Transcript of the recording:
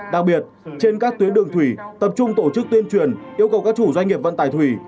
đặc biệt trên các tuyến đường thủy tập trung tổ chức tuyên truyền yêu cầu các chủ doanh nghiệp vận tải thủy